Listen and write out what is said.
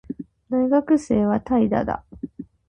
大学生は怠惰だ